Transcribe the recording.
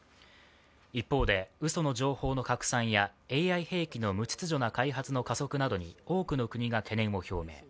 一方で、うその情報の拡散やＡＩ兵器の無秩序な開発の加速などに多くの国が懸念を表明。